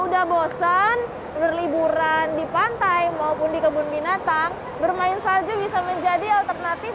udah bosan berliburan di pantai maupun di kebun binatang bermain salju bisa menjadi alternatif